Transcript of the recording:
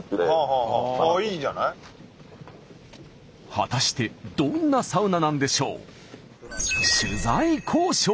果たしてどんなサウナなんでしょう？